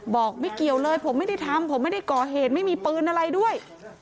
บอกไม่เกี่ยวเลยผมไม่ได้ทำผมไม่ได้ก่อเหตุไม่มีปืนอะไรด้วย